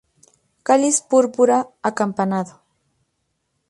Cáliz púrpura, acampanado.